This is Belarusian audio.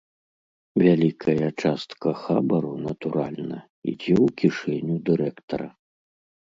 Вялікая частка хабару, натуральна, ідзе ў кішэню дырэктара.